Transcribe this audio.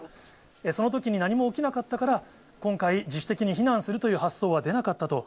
そのときに何も起きなかったから、今回、自主的に避難するという発想は出なかったと。